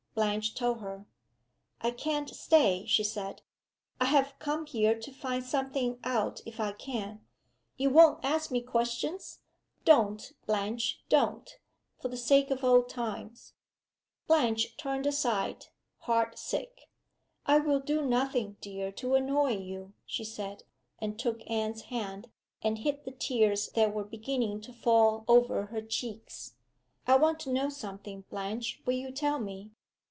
Blanche told her. "I can't stay," she said. "I have come here to find something out if I can. You won't ask me questions? Don't, Blanche, don't! for the sake of old times." Blanche turned aside, heart sick. "I will do nothing, dear, to annoy you," she said, and took Anne's hand, and hid the tears that were beginning to fall over her cheeks. "I want to know something, Blanche. Will you tell me?"